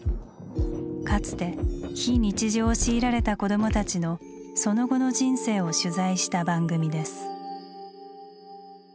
かつて非日常を強いられた子どもたちの「その後の人生」を取材した番組です。